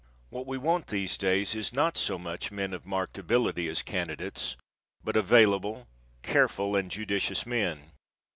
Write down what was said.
What we want these days is not so much men of marked ability as candidates but available, careful and judicious men.